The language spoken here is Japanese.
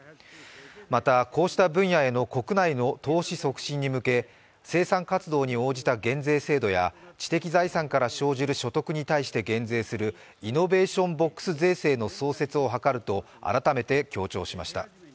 また、こうした分野への国内の投資促進に向け生産活動に応じた減税制度や知的財産から生じる所得に対して減税するイノベーションボックス税制の創設を図ると改めて強調しました。